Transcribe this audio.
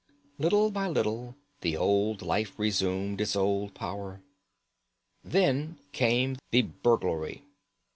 Little by little the old life resumed its old power. Then came the burglary.